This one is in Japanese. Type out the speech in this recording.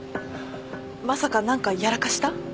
まさか何かやらかした？